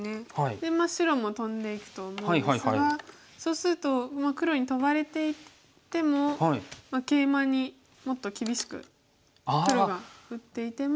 で白もトンでいくと思うんですがそうすると黒にトバれていってもケイマにもっと厳しく黒が打っていても。